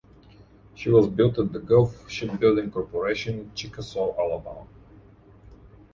She was built at the Gulf Shipbuilding Corporation, Chickasaw, Alabama.